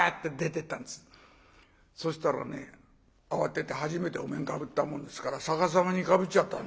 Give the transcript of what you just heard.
そしたらね慌てて初めてお面かぶったもんですから逆さまにかぶっちゃった。